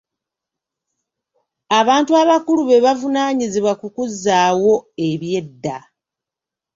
Abantu abakulu be bavunaanyizibwa ku kuzzaawo ebyedda.